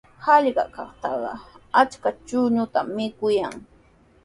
Hallqatrawqa achka chuñutami mikuyan.